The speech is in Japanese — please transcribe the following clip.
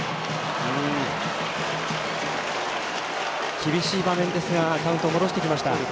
厳しい場面ですがカウントを戻してきました。